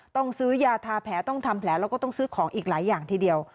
ต้องซื้อยาทาแผลต้องทำแผลแล้วก็ต้องซื้อของอีกหลายอย่างทีเดียว